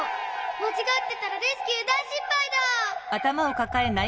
まちがってたらレスキュー大しっぱいだ！